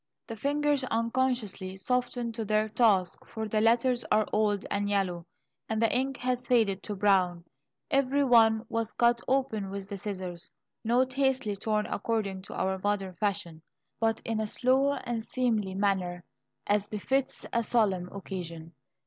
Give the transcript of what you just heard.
The fingers unconsciously soften to their task, for the letters are old and yellow, and the ink has faded to brown. Every one was cut open with the scissors, not hastily torn according to our modern fashion, but in a slow and seemly manner, as befits a solemn occasion.